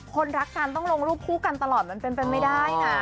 คนรักกันต้องลงรูปคู่กันตลอดมันเป็นไปไม่ได้นะ